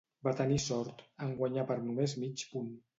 Va tenir sort, en guanyar per només mig punt.